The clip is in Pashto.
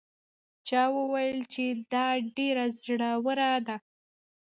چا وویل چې دا ډېره زړه وره ده.